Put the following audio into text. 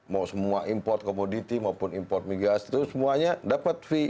mau semua import komoditi maupun import migas itu semuanya dapat fee